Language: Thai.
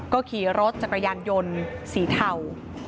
ก็ขี่รถจักรยานยนต์สีเทา